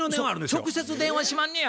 直接電話しまんねや。